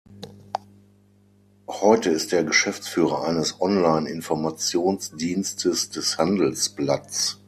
Heute ist er Geschäftsführer eines online-Informationsdienstes des Handelsblatts.